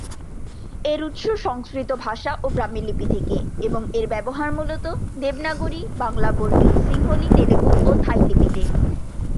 এর উৎস সংস্কৃত ভাষা ও ব্রাহ্মী লিপি থেকে এবং এর ব্যবহার মূলত দেবনাগরী, বাংলা, বর্মী, সিংহলি, তেলুগু ও থাই লিপিতে।